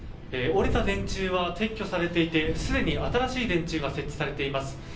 折れた電柱は撤去されていてすでに新しい電柱が設置されています。